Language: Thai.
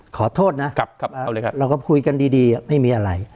ขอโทษนะเราก็คุยกันดีไม่มีอะไร